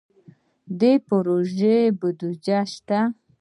د پروژو بودیجه شته؟